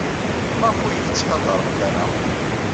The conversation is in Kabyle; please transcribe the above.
Maɣef ur iyi-tettqadaremt ara?